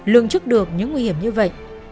lượng chức được những nguy hiểm như vậy